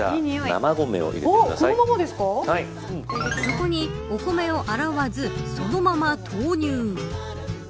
そこにお米を洗わずそのまま投入。